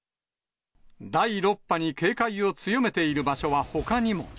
第６波に警戒を強めている場所はほかにも。